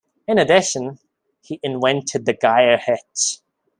In addition, he invented the Geier Hitch.